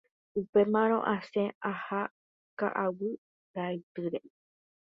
Upémarõ asẽ aha ka'aguy ra'ytýre.